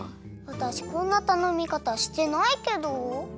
わたしこんなたのみかたしてないけど。